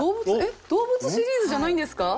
動物シリーズじゃないんですか？